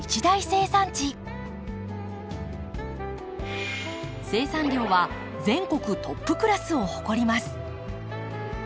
生産量は全国トップクラスを誇ります。